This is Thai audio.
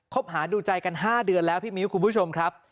บหาดูใจกัน๕เดือนแล้วพี่มิ้วคุณผู้ชมครับ